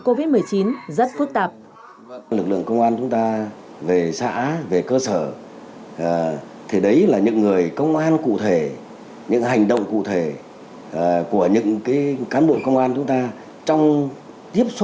covid một mươi chín rất phức tạp